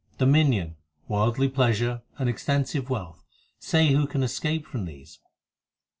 Dominion, worldly pleasure, and extensive wealth Say who can escape from these.